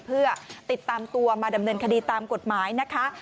เพื่อติดตามตัวมาดำเนินคดีตามกฎหมายนะคะ